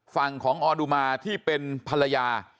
ฝั่งของออดุมาที่เป็นภรรยา